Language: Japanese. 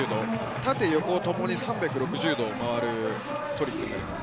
縦横ともに３６０度回るトリックです。